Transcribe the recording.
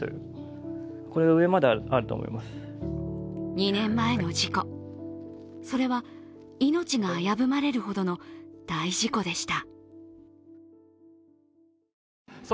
２年前の事故、それは命が危ぶまれるほどの大事故でした。